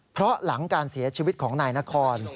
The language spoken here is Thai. เพราะหลังการเสียชีวิตของนายนคร